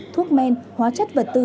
thuốc men hóa chất vật tư